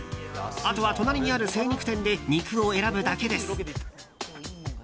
あとは隣にある精肉店で肉を選ぶだけです。